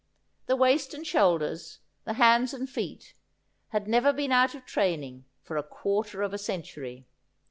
The waist and shoulders, the hands and feet, had never been out of train ing for a quarter of a century.